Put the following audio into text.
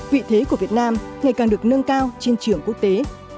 vị thế của việt nam ngày càng được nâng cao trên trường quốc tế